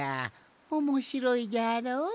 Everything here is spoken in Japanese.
おもしろいじゃろ？